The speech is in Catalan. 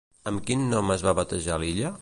Amb quin nom es va batejar l'illa?